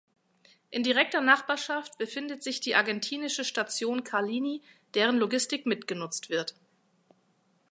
In direkter Nachbarschaft befindet sich die argentinische Station Carlini, deren Logistik mitgenutzt wird.